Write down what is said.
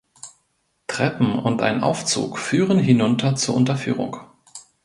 Treppen und ein Aufzug führen hinunter zur Unterführung.